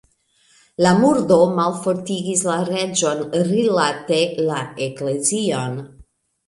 La murdo malfortigis la reĝon rilate la eklezion.